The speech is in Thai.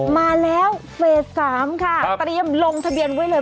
มาแล้วเฟส๓ค่ะเตรียมลงทะเบียนไว้เลย